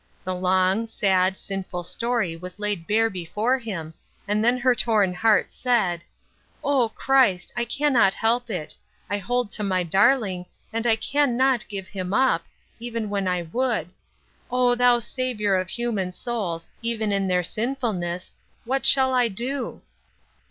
The long, sad, sinful story was laid bare before him, and then her torn heart said : "Oh, Christ, I can not help it ; I hold to my darling, and I can not give him up, even when I would. Oh, thou Saviour of human souls, even in theii tiinfulness, what shall I do